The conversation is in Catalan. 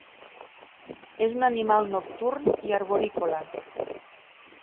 És un animal nocturn i arborícola.